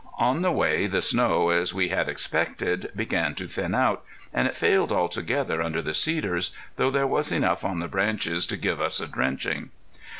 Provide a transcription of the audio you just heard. On the way the snow, as we had expected, began to thin out, and it failed altogether under the cedars, though there was enough on the branches to give us a drenching.